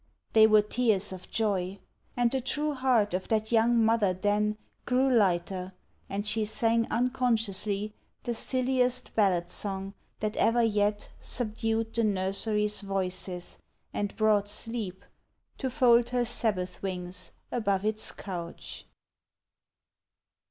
They were tears of joy; And the true heart of that young mother then Grew lighter, and she sang unconsciously The silliest ballad song that ever yet Subdued the nursery's voices, and brought sleep To fold her sabbath wings above its couch.